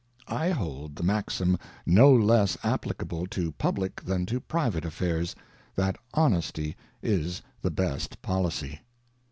(I hold the maxim no less applicable to public than to private affairs, that honesty is the best policy).